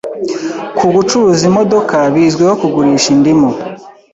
Ko gucuruza imodoka bizwiho kugurisha indimu.